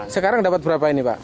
sekarang dapat berapa ini pak